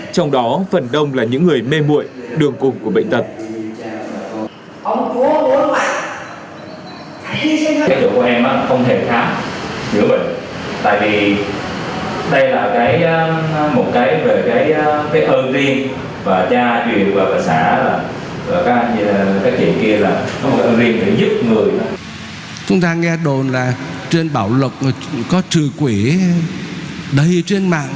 trong đó phần đông là những người mê mội đường cùng của bệnh tật